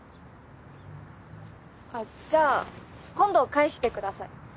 あっじゃあ今度返してください。